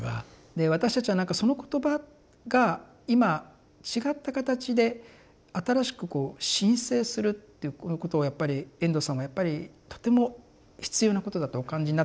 で私たちはなんかその言葉が今違った形で新しくこう新生するっていうこのことをやっぱり遠藤さんはやっぱりとても必要なことだとお感じになってた。